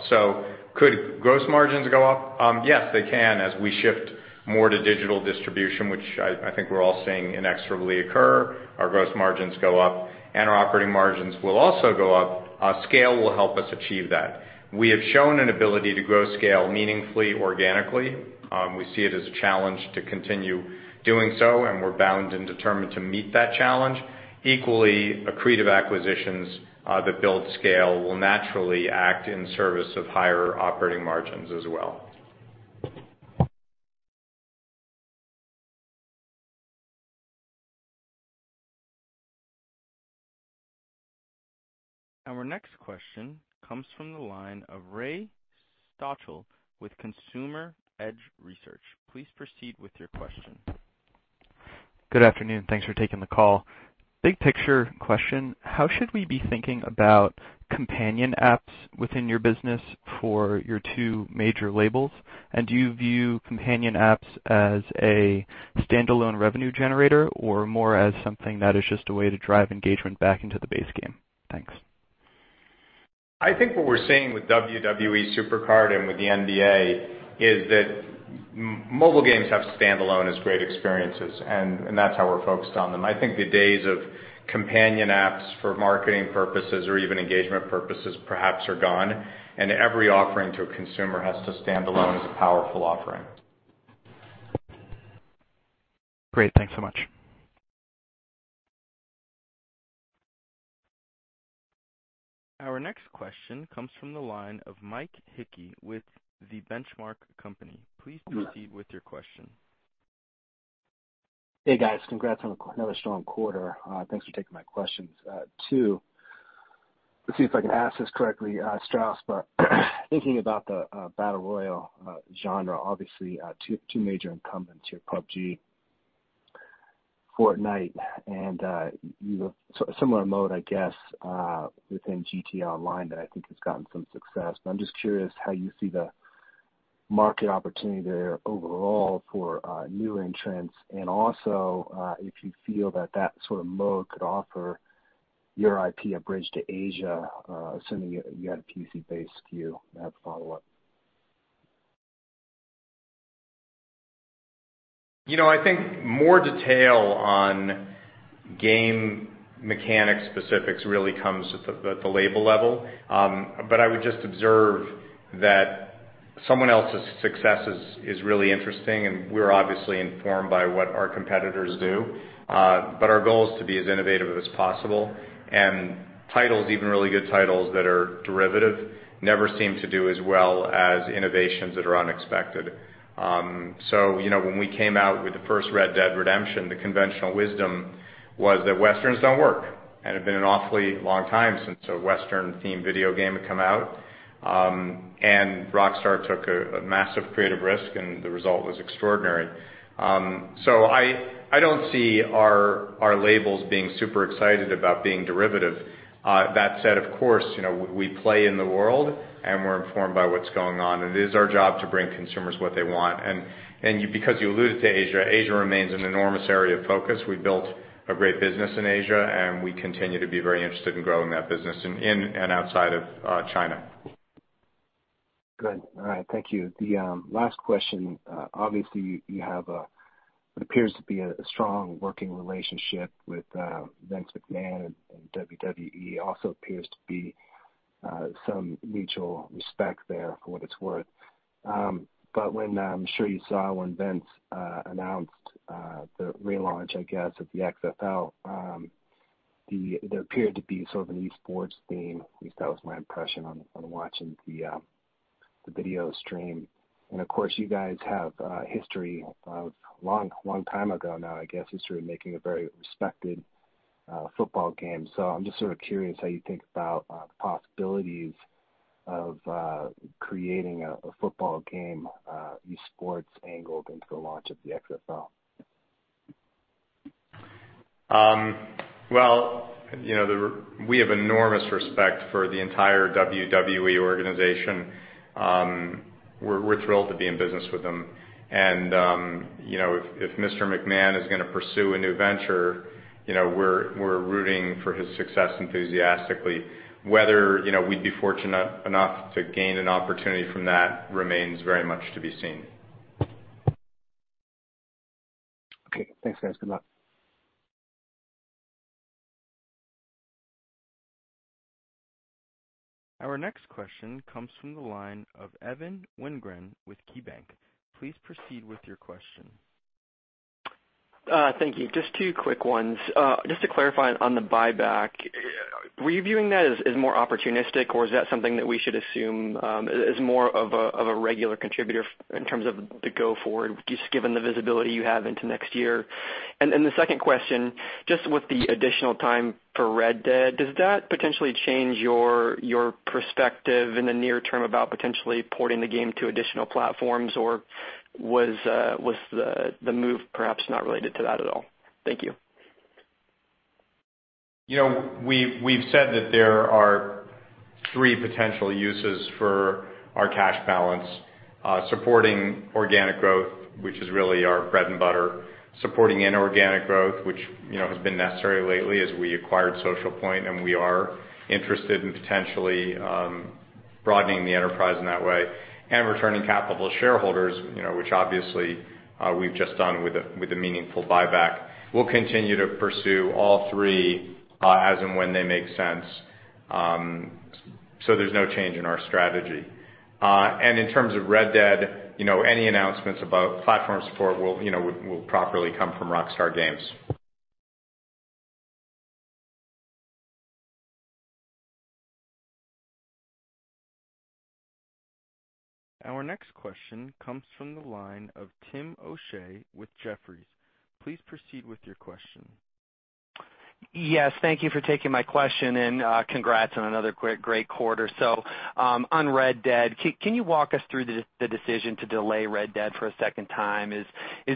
Could gross margins go up? Yes, they can, as we shift more to digital distribution, which I think we're all seeing inexorably occur, our gross margins go up, and our operating margins will also go up. Scale will help us achieve that. We have shown an ability to grow scale meaningfully organically. We see it as a challenge to continue doing so. We're bound and determined to meet that challenge. Equally, accretive acquisitions that build scale will naturally act in service of higher operating margins as well. Our next question comes from the line of Ray Stochel with Consumer Edge Research. Please proceed with your question. Good afternoon. Thanks for taking the call. Big picture question. How should we be thinking about companion apps within your business for your two major labels? Do you view companion apps as a standalone revenue generator or more as something that is just a way to drive engagement back into the base game? Thanks. I think what we're seeing with WWE SuperCard and with the NBA is that mobile games have standalone as great experiences. That's how we're focused on them. I think the days of companion apps for marketing purposes or even engagement purposes perhaps are gone. Every offering to a consumer has to stand alone as a powerful offering. Great. Thanks so much. Our next question comes from the line of Mike Hickey with The Benchmark Company. Please proceed with your question. Hey, guys. Congrats on another strong quarter. Thanks for taking my questions. Two, let's see if I can ask this correctly, Strauss. Thinking about the battle royale genre, obviously two major incumbents here, PUBG, Fortnite, and similar mode, I guess, within GTA Online that I think has gotten some success. I'm just curious how you see the market opportunity there overall for new entrants, and also if you feel that that sort of mode could offer your IP a bridge to Asia, assuming you had a PC-based SKU. I have a follow-up. I think more detail on game mechanic specifics really comes at the label level. I would just observe that someone else's success is really interesting, and we're obviously informed by what our competitors do. Our goal is to be as innovative as possible. Titles, even really good titles that are derivative, never seem to do as well as innovations that are unexpected. When we came out with the first Red Dead Redemption, the conventional wisdom was that Westerns don't work, and it'd been an awfully long time since a Western-themed video game had come out. Rockstar took a massive creative risk, and the result was extraordinary. I don't see our labels being super excited about being derivative. That said, of course, we play in the world, and we're informed by what's going on. It is our job to bring consumers what they want. Because you alluded to Asia remains an enormous area of focus. We built a great business in Asia, and we continue to be very interested in growing that business in and outside of China. Good. All right. Thank you. The last question, obviously, you have what appears to be a strong working relationship with Vince McMahon and WWE. Also appears to be some mutual respect there, for what it's worth. I'm sure you saw when Vince announced the relaunch, I guess, of the XFL, there appeared to be sort of an esports theme. At least that was my impression on watching the video stream. Of course, you guys have a history of, long time ago now, I guess, history of making a very respected football game. I'm just sort of curious how you think about the possibilities of creating a football game esports angle into the launch of the XFL. Well, we have enormous respect for the entire WWE organization. We're thrilled to be in business with them. If Mr. McMahon is going to pursue a new venture, we're rooting for his success enthusiastically. Whether we'd be fortunate enough to gain an opportunity from that remains very much to be seen. Okay. Thanks, guys. Good luck. Our next question comes from the line of Evan Wingren with KeyBanc. Please proceed with your question. Thank you. Just two quick ones. Just to clarify on the buyback, were you viewing that as more opportunistic, or is that something that we should assume is more of a regular contributor in terms of the go forward, just given the visibility you have into next year? The second question, just with the additional time for "Red Dead," does that potentially change your perspective in the near term about potentially porting the game to additional platforms, or was the move perhaps not related to that at all? Thank you. We've said that there are three potential uses for our cash balance. Supporting organic growth, which is really our bread and butter. Supporting inorganic growth, which has been necessary lately as we acquired Social Point, and we are interested in potentially broadening the enterprise in that way. Returning capital to shareholders which obviously we've just done with a meaningful buyback. We'll continue to pursue all three as and when they make sense. There's no change in our strategy. In terms of "Red Dead," any announcements about platform support will properly come from Rockstar Games. Our next question comes from the line of Tim O'Shea with Jefferies. Please proceed with your question. Yes, thank you for taking my question, and congrats on another great quarter. On "Red Dead," can you walk us through the decision to delay "Red Dead" for a second time? Is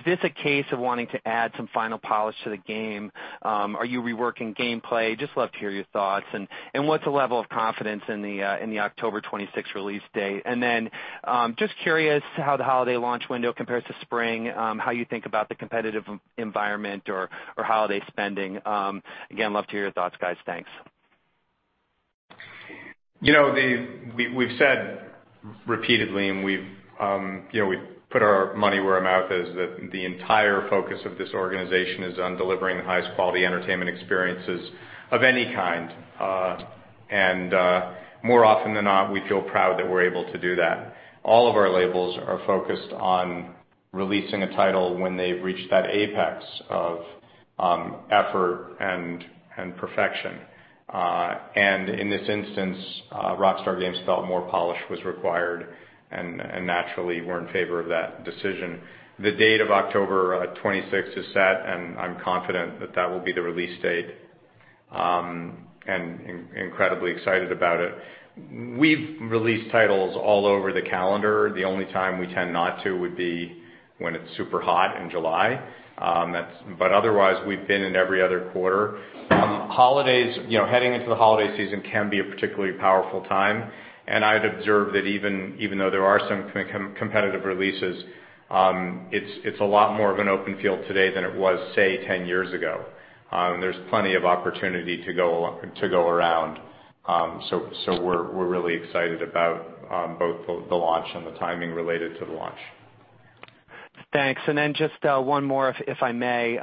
this a case of wanting to add some final polish to the game? Are you reworking gameplay? Just love to hear your thoughts. What's the level of confidence in the October 26th release date? Just curious how the holiday launch window compares to spring, how you think about the competitive environment or holiday spending. Again, love to hear your thoughts, guys. Thanks. We've said repeatedly, we've put our money where our mouth is, that the entire focus of this organization is on delivering the highest quality entertainment experiences of any kind. More often than not, we feel proud that we're able to do that. All of our labels are focused on releasing a title when they've reached that apex of effort and perfection. In this instance, Rockstar Games felt more polish was required, naturally, we're in favor of that decision. The date of October 26th is set, I'm confident that will be the release date and incredibly excited about it. We've released titles all over the calendar. The only time we tend not to would be when it's super hot in July. Otherwise, we've been in every other quarter. Heading into the holiday season can be a particularly powerful time, I'd observe that even though there are some competitive releases, it's a lot more of an open field today than it was, say, 10 years ago. There's plenty of opportunity to go around. We're really excited about both the launch and the timing related to the launch. Thanks. Just one more, if I may.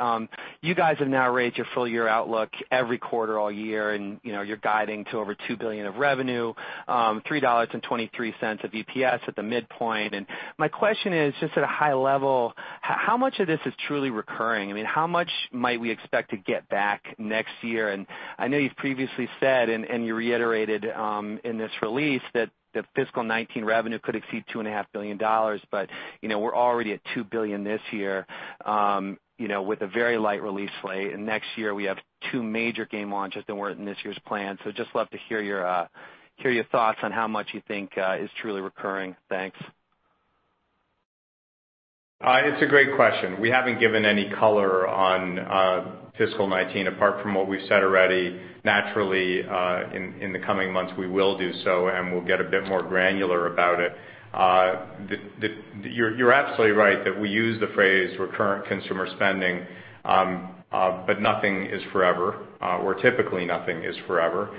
You guys have now raised your full-year outlook every quarter all year, you're guiding to over $2 billion of revenue, $3.23 of EPS at the midpoint. My question is, just at a high level, how much of this is truly recurring? I mean, how much might we expect to get back next year? I know you've previously said, you reiterated in this release that the fiscal 2019 revenue could exceed $2.5 billion, we're already at $2 billion this year with a very light release slate. Next year we have two major game launches that weren't in this year's plan. Just love to hear your thoughts on how much you think is truly recurring. Thanks. It's a great question. We haven't given any color on fiscal 2019 apart from what we've said already. Naturally, in the coming months, we will do so, and we'll get a bit more granular about it. You're absolutely right that we use the phrase recurrent consumer spending, but nothing is forever. Typically, nothing is forever.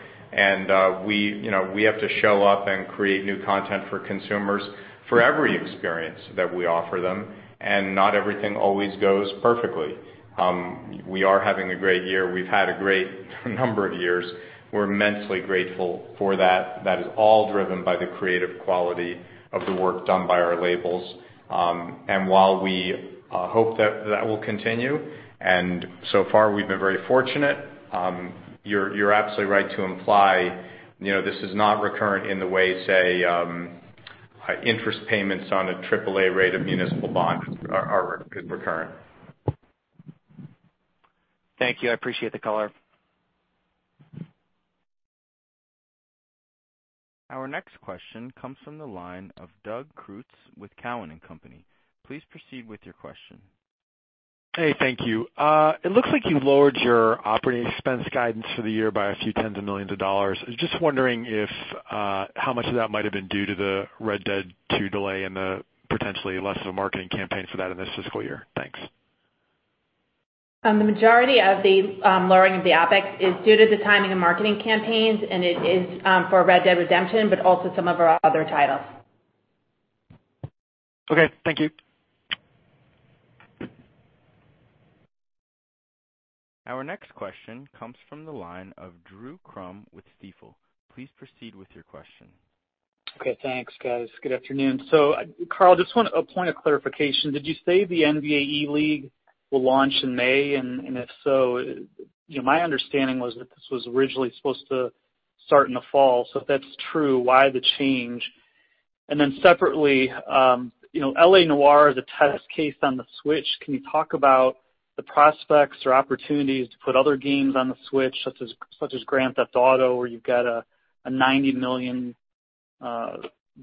We have to show up and create new content for consumers for every experience that we offer them, and not everything always goes perfectly. We are having a great year. We've had a great number of years. We're immensely grateful for that. That is all driven by the creative quality of the work done by our labels. While we hope that will continue, and so far we've been very fortunate, you're absolutely right to imply this is not recurrent in the way, say, interest payments on a AAA rate of municipal bonds is recurrent. Thank you. I appreciate the color. Our next question comes from the line of Doug Creutz with Cowen and Company. Please proceed with your question. Hey, thank you. It looks like you lowered your operating expense guidance for the year by a few tens of millions of dollars. Just wondering how much of that might have been due to the Red Dead 2 delay and the potentially less of a marketing campaign for that in this fiscal year. Thanks. The majority of the lowering of the OpEx is due to the timing of marketing campaigns, and it is for Red Dead Redemption, but also some of our other titles. Okay, thank you. Our next question comes from the line of Drew Crum with Stifel. Please proceed with your question. Okay, thanks, guys. Good afternoon. Karl, just want a point of clarification. Did you say the NBA 2K League will launch in May? If so, my understanding was that this was originally supposed to start in the fall. If that's true, why the change? Separately, L.A. Noire is a test case on the Switch. Can you talk about the prospects or opportunities to put other games on the Switch, such as Grand Theft Auto, where you've got a 90 million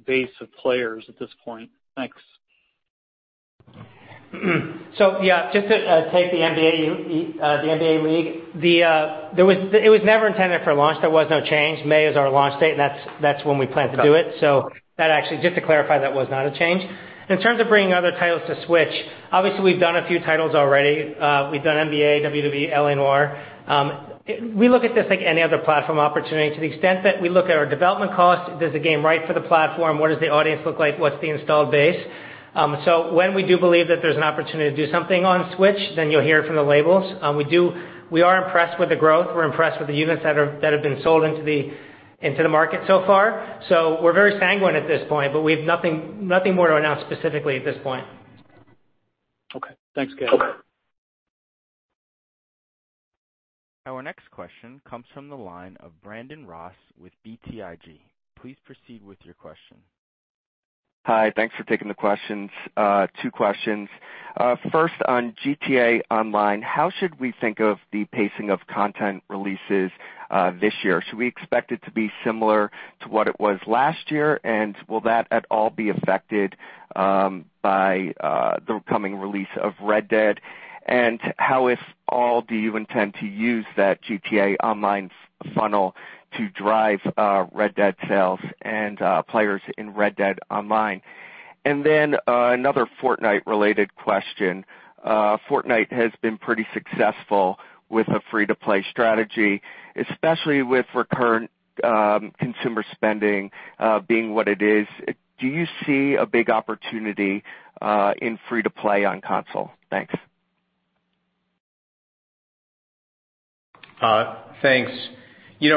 base of players at this point? Thanks. Yeah, just to take the NBA 2K League, it was never intended for launch. There was no change. May is our launch date, and that's when we plan to do it. Just to clarify, that was not a change. In terms of bringing other titles to Switch, obviously, we've done a few titles already. We've done NBA 2K, WWE 2K, L.A. Noire. We look at this like any other platform opportunity to the extent that we look at our development cost. Is this a game right for the platform? What does the audience look like? What's the installed base? When we do believe that there's an opportunity to do something on Switch, then you'll hear from the labels. We are impressed with the growth, we're impressed with the units that have been sold into the market so far. We're very sanguine at this point, but we have nothing more to announce specifically at this point. Okay. Thanks, guys. Our next question comes from the line of Brandon Ross with BTIG. Please proceed with your question. Hi. Thanks for taking the questions. Two questions. First, on GTA Online, how should we think of the pacing of content releases this year? Should we expect it to be similar to what it was last year? Will that at all be affected by the coming release of Red Dead? How, if all, do you intend to use that GTA Online funnel to drive Red Dead sales and players in Red Dead Online? Then another Fortnite related question. Fortnite has been pretty successful with a free-to-play strategy, especially with recurrent consumer spending being what it is. Do you see a big opportunity in free-to-play on console? Thanks. Thanks. We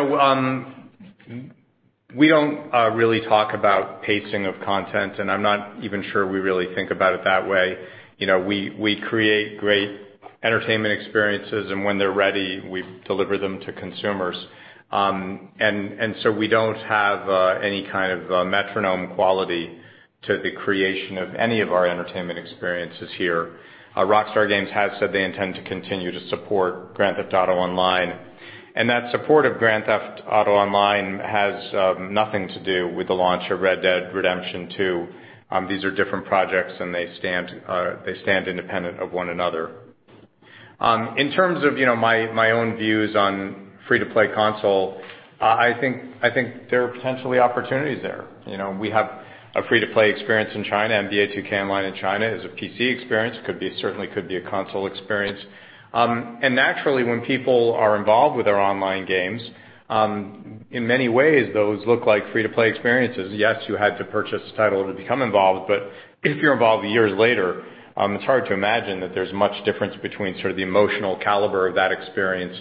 don't really talk about pacing of content, and I'm not even sure we really think about it that way. We create great entertainment experiences, and when they're ready, we deliver them to consumers. So we don't have any kind of metronome quality to the creation of any of our entertainment experiences here. Rockstar Games has said they intend to continue to support Grand Theft Auto Online, and that support of Grand Theft Auto Online has nothing to do with the launch of Red Dead Redemption 2. These are different projects, and they stand independent of one another. In terms of my own views on free-to-play console, I think there are potentially opportunities there. We have a free-to-play experience in China. NBA 2K Online in China is a PC experience. Could certainly be a console experience. Naturally, when people are involved with our online games, in many ways, those look like free-to-play experiences. Yes, you had to purchase a title to become involved, but if you're involved years later, it's hard to imagine that there's much difference between sort of the emotional caliber of that experience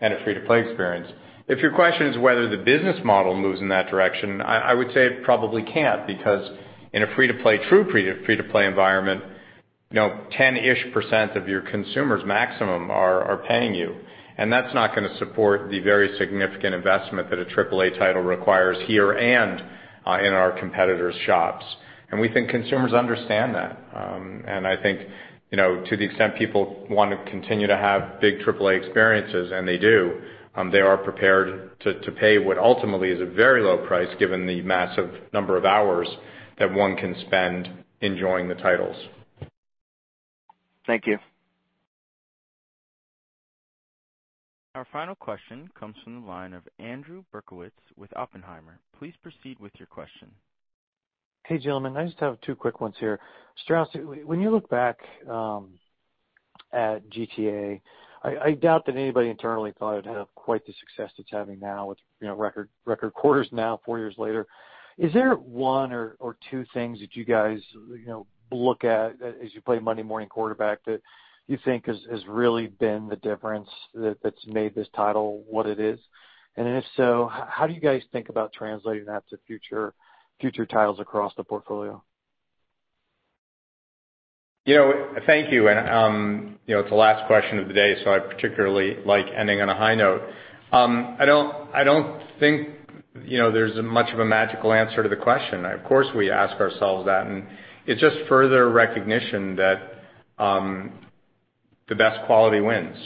and a free-to-play experience. If your question is whether the business model moves in that direction, I would say it probably can't, because in a true free-to-play environment, 10-ish% of your consumers maximum are paying you, and that's not going to support the very significant investment that a AAA title requires here and in our competitors' shops. We think consumers understand that. To the extent people want to continue to have big AAA experiences, and they do, they are prepared to pay what ultimately is a very low price given the massive number of hours that one can spend enjoying the titles. Thank you. Our final question comes from the line of Andrew Uerkwitz with Oppenheimer. Please proceed with your question. Hey, gentlemen. I just have two quick ones here. Strauss, when you look back at GTA, I doubt that anybody internally thought it'd have quite the success it's having now with record quarters now, four years later. Is there one or two things that you guys look at as you play Monday morning quarterback that you think has really been the difference that's made this title what it is? Then if so, how do you guys think about translating that to future titles across the portfolio? Thank you. It's the last question of the day, so I particularly like ending on a high note. I don't think there's much of a magical answer to the question. Of course, we ask ourselves that, it's just further recognition that the best quality wins.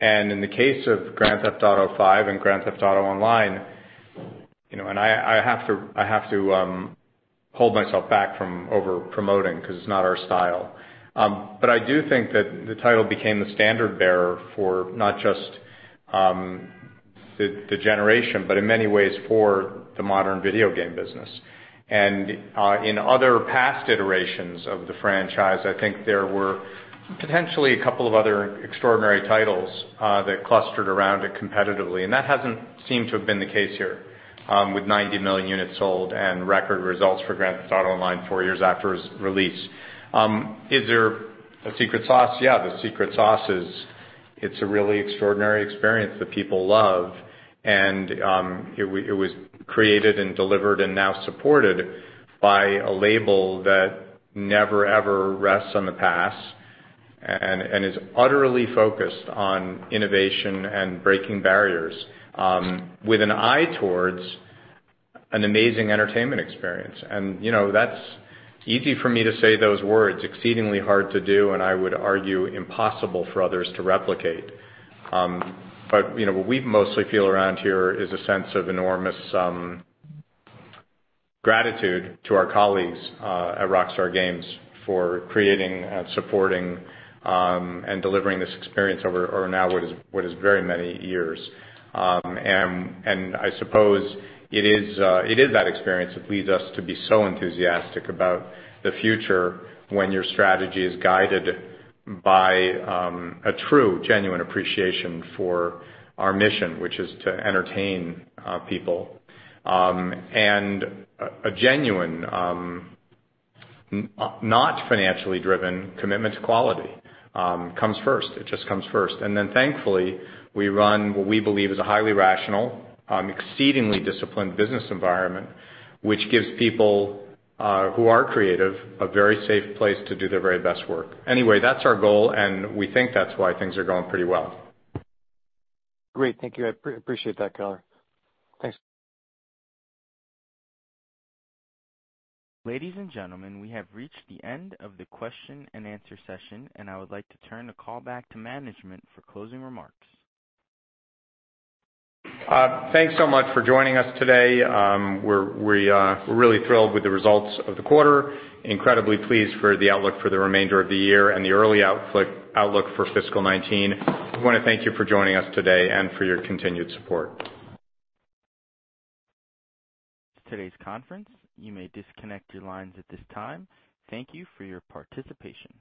In the case of Grand Theft Auto V and Grand Theft Auto Online, I have to hold myself back from over-promoting because it's not our style. I do think that the title became the standard-bearer for not just the generation, but in many ways for the modern video game business. In other past iterations of the franchise, I think there were potentially a couple of other extraordinary titles that clustered around it competitively. That hasn't seemed to have been the case here, with 90 million units sold and record results for Grand Theft Auto Online four years after its release. Is there a secret sauce? Yeah, the secret sauce is it's a really extraordinary experience that people love. It was created and delivered and now supported by a label that never ever rests on the past and is utterly focused on innovation and breaking barriers with an eye towards an amazing entertainment experience. That's easy for me to say those words, exceedingly hard to do, and I would argue, impossible for others to replicate. What we mostly feel around here is a sense of enormous gratitude to our colleagues at Rockstar Games for creating and supporting and delivering this experience over now what is very many years. I suppose it is that experience that leads us to be so enthusiastic about the future when your strategy is guided by a true, genuine appreciation for our mission, which is to entertain people. A genuine, not financially driven commitment to quality comes first. It just comes first. Thankfully, we run what we believe is a highly rational, exceedingly disciplined business environment, which gives people who are creative a very safe place to do their very best work. Anyway, that's our goal. We think that's why things are going pretty well. Great. Thank you. I appreciate that, color. Thanks. Ladies and gentlemen, we have reached the end of the question and answer session, and I would like to turn the call back to management for closing remarks. Thanks so much for joining us today. We're really thrilled with the results of the quarter, incredibly pleased for the outlook for the remainder of the year and the early outlook for fiscal 2019. We want to thank you for joining us today and for your continued support. Today's conference. You may disconnect your lines at this time. Thank you for your participation.